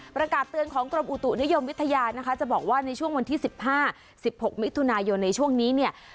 ประกาศเตือนของกรมอุตุนิยมวิทยานะคะจะบอกว่าในช่วงวันที่๑๕๑๖มิถุนายนในช่วงนี้เนี่ย